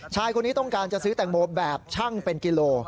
ชายคนนี้ต้องการจะซื้อแตงโมแบบช่างเป็นกิโล